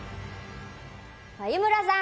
眉村さん